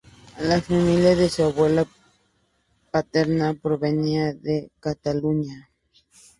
La familia de su abuela paterna provenía de Cataluña.